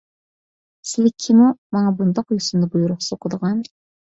سىلى كىمۇ، ماڭا بۇنداق يوسۇندا بۇيرۇق سوقىدىغان؟